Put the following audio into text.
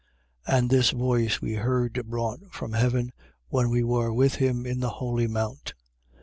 1:18. And this voice, we heard brought from heaven, when we were with him in the holy mount.